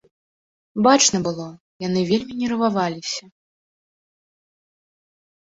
Бачна было, яны вельмі нерваваліся.